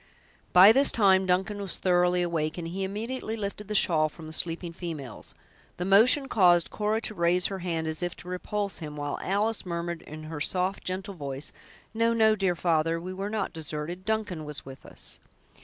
By this time Duncan was thoroughly awake, and he immediately lifted the shawl from the sleeping females. The motion caused Cora to raise her hand as if to repulse him, while Alice murmured, in her soft, gentle voice, "No, no, dear father, we were not deserted; Duncan was with us!"